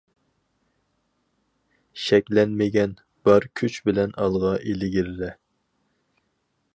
شەكلەنمىگىن، بار كۈچ بىلەن ئالغا ئىلگىرىلە.